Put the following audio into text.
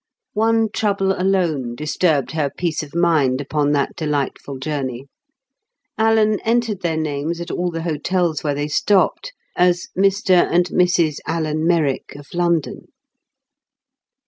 One trouble alone disturbed her peace of mind upon that delightful journey. Alan entered their names at all the hotels where they stopped as "Mr and Mrs Alan Merrick of London."